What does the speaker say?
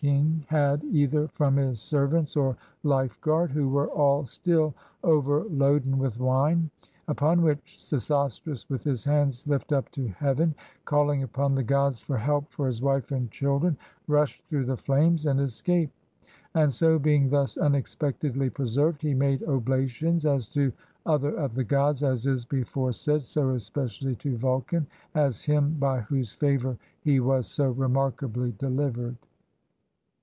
95 EGYPT had either from his servants or lifeguard, who were all still overloaden with wine: upon which Sesostris with his hands lift up to heaven, calling upon the gods for help for his wife and children, rushed through the flames and escaped ; and so being thus unexpectedly preserved, he made oblations as to other of the gods (as is before said), so especially to Vulcan, as him by whose favor he was so remarkably delivered.